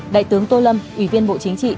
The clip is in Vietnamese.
đại tướng tô lâm ủy viên bộ chính trị